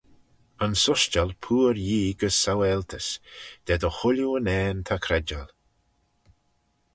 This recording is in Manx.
Yn sushtal pooar Yee gys saualtys, da dy chooilley unnane ta credjal.